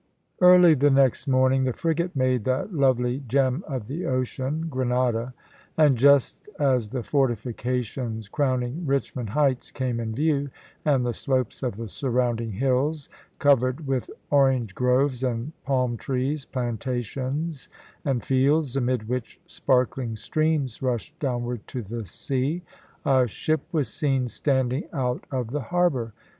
Early the next morning the frigate made that lovely gem of the ocean, Grenada, and just as the fortifications crowning Richmond heights came in view, and the slopes of the surrounding hills, covered with orange groves and palm trees, plantations, and fields, amid which sparkling streams rushed downward to the sea, a ship was seen standing out of the harbour.